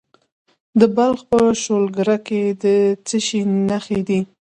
د بلخ په شولګره کې د څه شي نښې دي؟